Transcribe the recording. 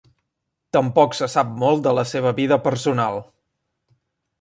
Tampoc se sap molt de la seva vida personal.